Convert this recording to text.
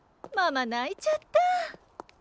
ママ泣いちゃった。